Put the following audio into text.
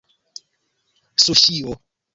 suŝio